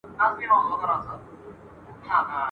له باوړیه اوبه نه سي را ایستلای !.